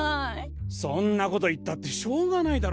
そんなこと言ったってしょうがないだろ。